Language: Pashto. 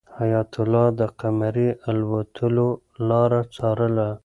حیات الله د قمرۍ د الوتلو لاره څارله.